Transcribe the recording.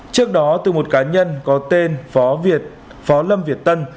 trước đó từ một cá nhân có tên phó lâm việt tân